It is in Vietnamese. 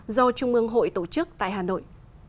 do trung ương hội tổ chức tại hà nội